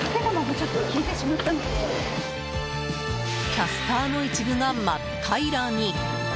キャスターの一部が真っ平らに。